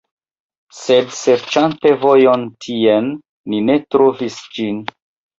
Sed serĉante vojon tien, ni ne trovis ĝin.